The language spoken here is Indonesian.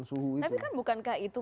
suhu itu tapi kan bukankah itu